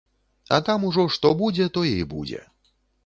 А там ужо што будзе, тое і будзе.